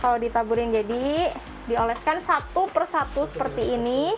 kalau ditaburin jadi dioleskan satu per satu seperti ini